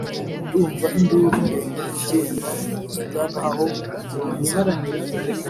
ndumva induru ndende igenda igana aho mbunze